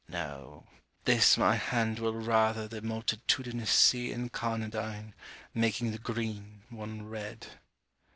No; this my hand will rather The multitudinous sea incarnadine, Making the green, one red.